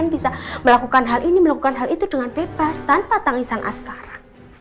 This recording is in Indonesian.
bisa melakukan hal ini melakukan hal itu dengan bebas tanpa tangisan askara